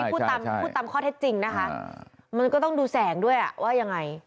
พูดตามพูดตามข้อเท็จจริงนะคะมันก็ต้องดูแสงด้วยว่ายังไง